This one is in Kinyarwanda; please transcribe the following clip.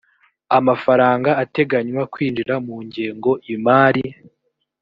amafaranga ateganywa kwinjira mu ngengo imari